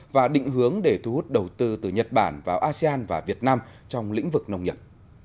và định hướng để thu hút đầu tư từ nhật bản vào asean và việt nam trong lĩnh vực nông nghiệp